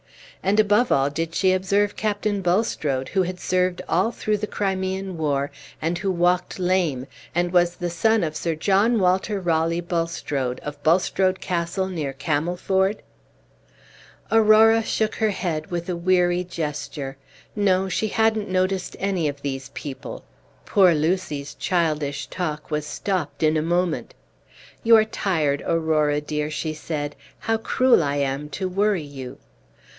and above all, did she observe Captain Bulstrode, who had served all through the Crimean war, and who walked lame, and was the son of Sir John Walter Raleigh Bulstrode, of Bulstrode Castle, near Camelford?" Aurora shook her head with a weary gesture. No, she hadn't noticed any of these people. Poor Lucy's childish talk was stopped in a moment. "You are tired, Aurora dear," she said; "how cruel I am to worry you!"